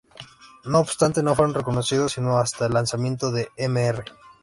No obstante, no fueron reconocidos sino hasta el lanzamiento de "Mr.